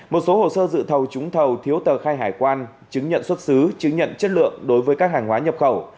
một số hồ sơ dự thầu trúng thầu thiếu tờ khai hải quan chứng nhận xuất xứ chứng nhận chất lượng đối với các hàng hóa nhập khẩu